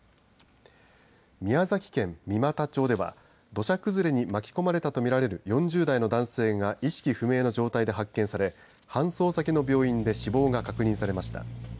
宮崎県三股町では土砂崩れに巻き込まれたと見られる４０代の男性が意識不明の状態で発見され搬送先の病院で死亡が確認されました。